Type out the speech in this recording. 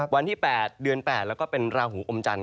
วันที่๘เดือน๘แล้วก็เป็นราหูอมจันท